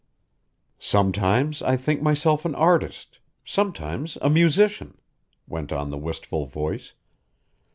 "Sometimes I think myself an artist, sometimes a musician," went on the wistful voice.